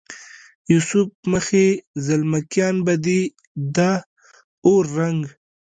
یوسف مخې زلمکیان به دې د اور رنګ،